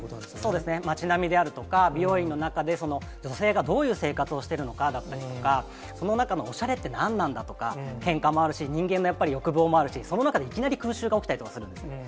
そうですね、町並みであるとか、美容院の中で、女性がどういう生活をしているのかだったりとか、その中のおしゃれって何なんだとか、けんかもあるし、人間もやっぱり欲望もあるし、その中でいきなり空襲が起きたりするんですね。